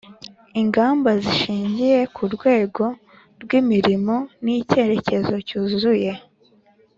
ingamba zishingiye ku rwego rw'imirimo n'icyerekezo cyuzuye,